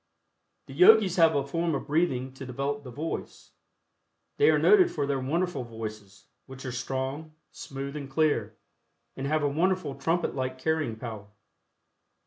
The Yogis have a form of breathing to develop the voice. They are noted for their wonderful voices, which are strong, smooth and clear, and have a wonderful trumpet like carrying power.